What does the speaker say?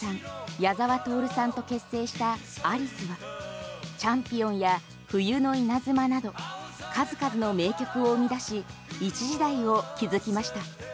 矢沢透さんと結成したアリスは「チャンピオン」や「冬の稲妻」など数々の名曲を生み出し一時代を築きました。